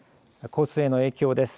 交通への影響です。